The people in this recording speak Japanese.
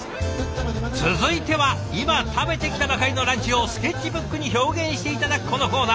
続いては今食べてきたばかりのランチをスケッチブックに表現して頂くこのコーナー。